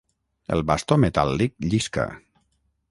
El bastó metàl·lic llisca.